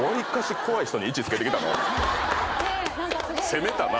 攻めたな。